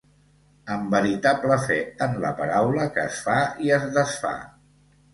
Amb veritable fe en la paraula que es fa i es desfà.